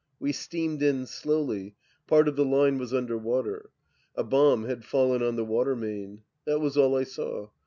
We steamed in slowly ; part of the line was under water. A bomb had fallen on the water main. That was all I saw.